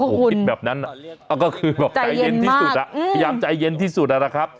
โอ้โหคุณแบบนั้นอ้าก็คือแบบใจเย็นมากอืมยังใจเย็นที่สุดอ่ะนะครับ